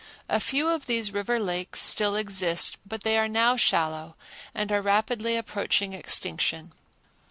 A few of these river lakes still exist, but they are now shallow and are rapidly approaching extinction.